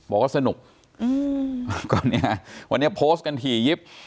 บอกว่าสนุกวันนี้โพสต์กันถี่ยิบ